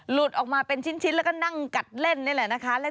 หลุดออกมาเป็นชิ้นแล้วก็นั่งกัดเล่นนี่แหละนะคะ